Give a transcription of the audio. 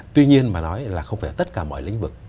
tuy nhiên mà nói là không phải tất cả mọi lĩnh vực